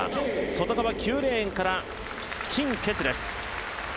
外側９レーンから陳傑です。